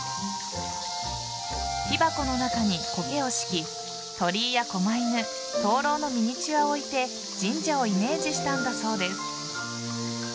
木箱の中にコケを敷き鳥居やこま犬灯籠のミニチュアを置いて神社をイメージしたんだそうです。